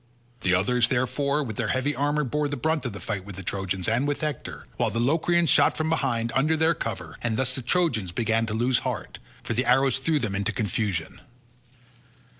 The others, therefore, with their heavy armour bore the brunt of the fight with the Trojans and with Hector, while the Locrians shot from behind, under their cover; and thus the Trojans began to lose heart, for the arrows threw them into confusion.